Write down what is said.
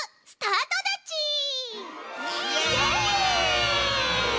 イエーイ！